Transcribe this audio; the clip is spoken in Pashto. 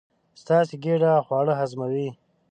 ستاسې ګېډه خواړه هضموي.